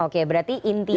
oke berarti intinya